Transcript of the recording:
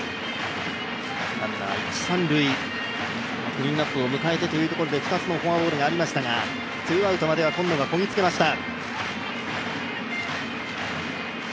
クリーンアップを迎えてというところで２つのフォアボールがありましたがツーアウトまでは今野がこぎつけました。